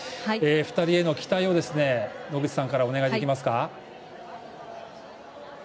２人への期待を野口さんからお願いできますか？